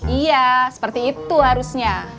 iya seperti itu harusnya